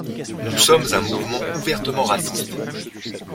Nous sommes un mouvement ouvertement raciste.